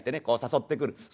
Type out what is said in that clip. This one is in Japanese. こう誘ってくる。